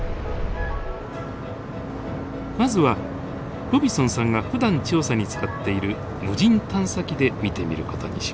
まずはロビソンさんがふだん調査に使っている無人探査機で見てみる事にしました。